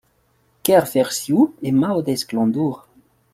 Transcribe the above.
Kerverzhiou et Maodez Glandour.